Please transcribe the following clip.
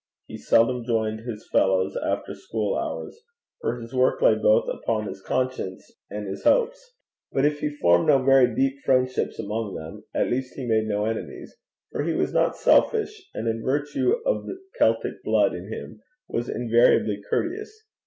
He seldom joined his fellows after school hours, for his work lay both upon his conscience and his hopes; but if he formed no very deep friendships amongst them, at least he made no enemies, for he was not selfish, and in virtue of the Celtic blood in him was invariably courteous.